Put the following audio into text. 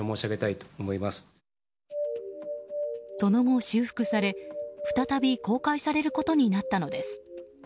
その後、修復され、再び公開されることになったのです。